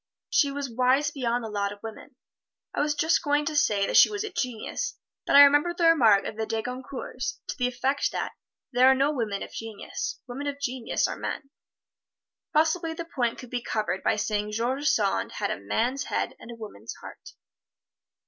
She was wise beyond the lot of women. I was just going to say she was a genius, but I remember the remark of the De Goncourts to the effect that, "There are no women of genius women of genius are men." Possibly the point could be covered by saying George Sand had a man's head and a woman's heart.